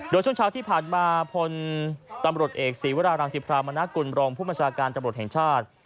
โดยช่วงเช้าที่ผ่านมาผลตำรวจเอกศีวระอลังศีพราหมณะกลรองคมภูมิมณะทำรวจเองชาติ